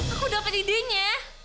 aku dapet idenya